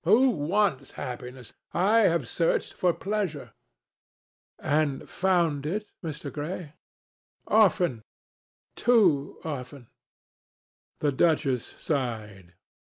Who wants happiness? I have searched for pleasure." "And found it, Mr. Gray?" "Often. Too often." The duchess sighed.